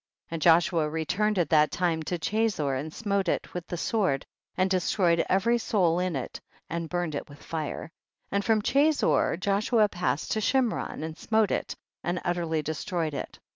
45. And Joshua returned at that time to Chazor and smote it with the sword and destroyed every soul in it, and burned it with fire, and from Chazor, Joshua passed to Shimron and smote it and utterly destroyed it.